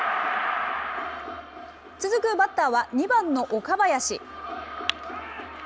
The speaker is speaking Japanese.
続くバッターは２番の岡林。